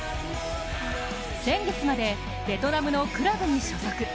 先月まで、ベトナムのクラブに所属。